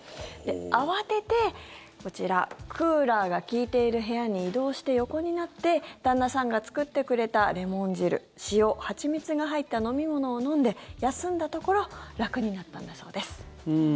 慌てて、クーラーが利いている部屋に移動して横になって旦那さんが作ってくれたレモン汁、塩、蜂蜜が入った飲み物を飲んで、休んだところ楽になったんだそうです。